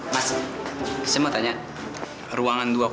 mas aku mau tanya ruangan dua ratus satu di mana ya